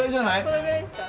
このぐらいですか？